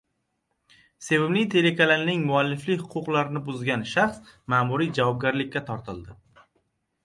“Sevimli” telekanalining mualliflik huquqlarini buzgan shaxs ma’muriy javobgarlikka tortildi